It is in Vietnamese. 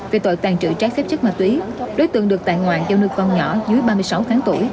về tội tàn trữ trái phép chất ma túy đối tượng được tàn ngoạn do nước con nhỏ dưới ba mươi sáu tháng tuổi